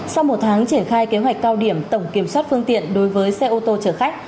sau một tháng triển khai kế hoạch cao điểm tổng kiểm soát phương tiện đối với xe ô tô chở khách